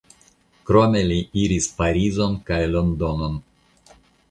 Krome li iris Parizon kaj Londonon.